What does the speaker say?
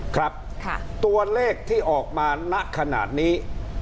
ครับตัวเลขที่ออกมาณขนาดนี้